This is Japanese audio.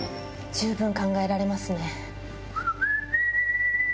十分考えられますね。